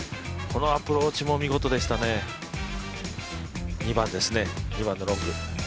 このアプローチも見事でしたね、２番ですね。